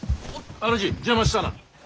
あるじ邪魔したな。